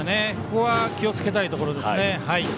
ここは気をつけたいところです。